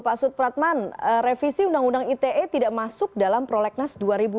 pak supratman revisi undang undang ite tidak masuk dalam prolegnas dua ribu dua puluh